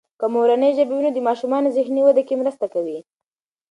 که مورنۍ ژبه وي، نو د ماشومانو ذهني ودې کې مرسته کوي.